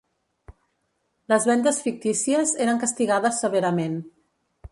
Les vendes fictícies eren castigades severament.